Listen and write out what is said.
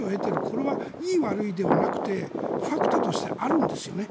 これはいい悪いではなくてファクトとしてあるんですよね。